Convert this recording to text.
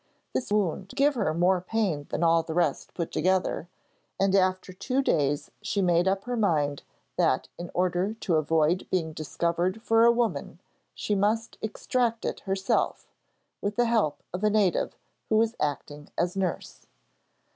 This wound gave her more pain than all the rest put together, and after two days she made up her mind that in order to avoid being discovered for a woman she must extract it herself, with the help of a native who was acting as nurse.